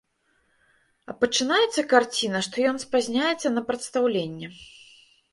А пачынаецца карціна, што ён спазняецца на прадстаўленне.